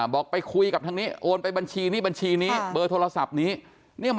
บอกไปคุยกับทางนี้โอนไปบัญชีนี้บัญชีนี้เบอร์โทรศัพท์นี้